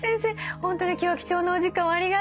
本当に今日は貴重なお時間をありがとうございました。